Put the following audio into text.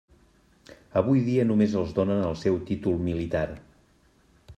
Avui dia només els donen el seu títol militar.